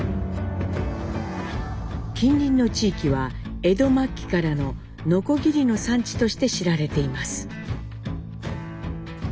近隣の地域は江戸末期からののこぎりの産地として知られています。